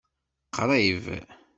Qrib.